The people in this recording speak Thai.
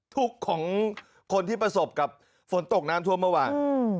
ทุกข์ของคนที่ประสบกับฝนตกน้ำท่วมเมื่อวาน